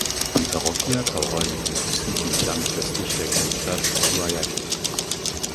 Die Parroquia Taura liegt im Küstentiefland östlich der Großstadt Guayaquil.